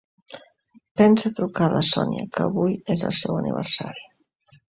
Pensa a trucar a la Sònia, que avui és el seu aniversari.